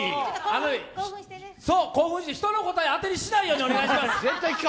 人の答え、当てにしないようお願いします。